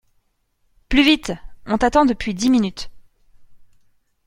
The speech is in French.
Plus vite! On t’attend depuis dix minutes !